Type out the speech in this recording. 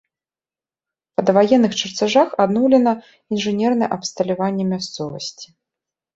Па даваенных чарцяжах адноўлена інжынернае абсталяванне мясцовасці.